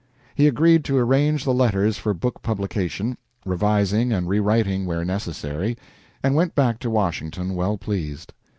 He agreed to arrange the letters for book publication, revising and rewriting where necessary, and went back to Washington well pleased.